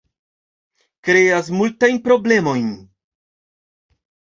Kreas multajn problemojn